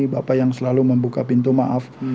bapak yang selalu membuka pintu maaf